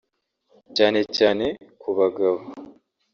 cyane cyane ku bagabo